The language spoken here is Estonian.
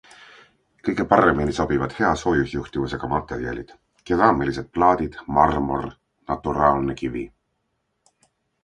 Kõige paremini sobivad hea soojusjuhtivusega materjalid - keraamilised plaadid, marmor, naturaalne kivi.